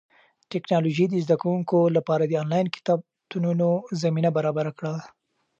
ټیکنالوژي د زده کوونکو لپاره د انلاین کتابتونونو زمینه برابره کړه.